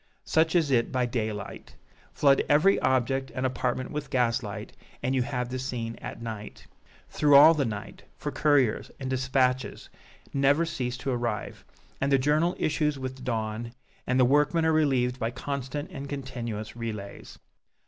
Such is it by daylight. Flood every object and apartment with gaslight, and you have the scene at night through all the night, for couriers and dispatches never cease to arrive and the journal issues with the dawn and the workmen are relieved by constant and continuous relays.